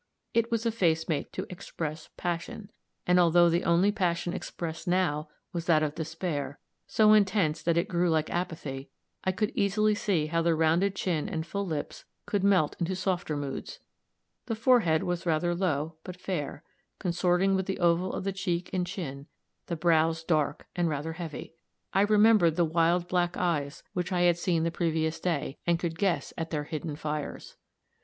It was a face made to express passion. And, although the only passion expressed now was that of despair, so intense that it grew like apathy, I could easily see how the rounded chin and full lips could melt into softer moods. The forehead was rather low, but fair, consorting with the oval of the cheek and chin; the brows dark and rather heavy. I remembered the wild black eyes which I had seen the previous day, and could guess at their hidden fires.